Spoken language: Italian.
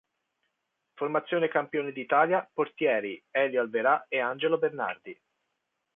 Formazione Campione d'Italia: Portieri: Elio Alverà e Angelo Bernardi.